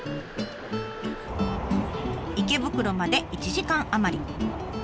池袋まで１時間余り。